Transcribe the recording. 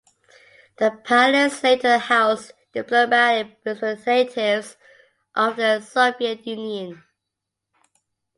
The palace later housed diplomatic representatives of the Soviet Union.